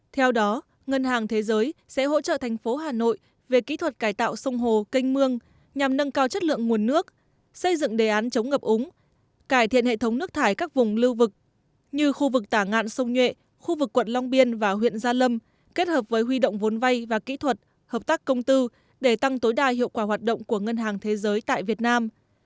theo đó ngân hàng thế giới sẽ hỗ trợ thành phố hà nội về kỹ thuật cải tạo sông hồ kênh mương nhằm nâng cao chất lượng nguồn nước xây dựng đề án chống ngập úng cải thiện hệ thống nước thải các vùng lưu vực như khu vực tả ngạn sông nhuệ khu vực quận long biên và huyện gia lâm kết hợp với huy động vốn vay và kỹ thuật hợp tác công tư để tăng tối đa hiệu quả hoạt động của ngân hàng thế giới tại việt nam